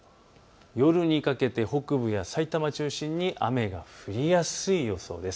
夜にかけて北部や埼玉を中心に雨が降りやすい予想です。